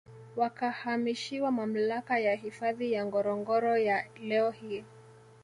Wakahamishiwa Mamlaka ya Hifadhi ya Ngorongoro ya leo hii